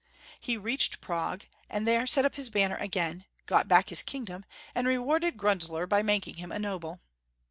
He reached Prague, and there set up liis banner again, got back his kingdom, and rewarded Grundler by making him a noble.